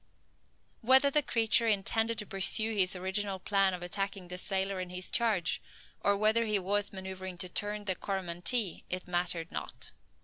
Whether the creature intended to pursue his original plan of attacking the sailor and his charge, or whether he was manoeuvring to turn the Coromantee, it mattered not.